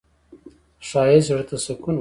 ښایست زړه ته سکون ورکوي